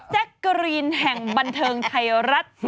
แจ๊กกะรีนแห่งบันเทิงไทยรัฐ